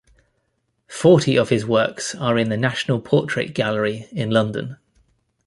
Forty of his works are in the National Portrait Gallery in London.